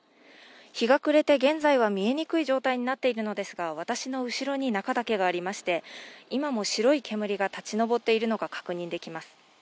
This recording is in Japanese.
日が暮れて現在は見えにくい状態になっているのですが私の後ろに中岳がありまして今も白い煙が立ち上っているのが確認できます。